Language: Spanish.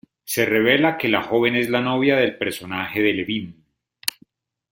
Se revela que la joven es la novia del personaje de Levine.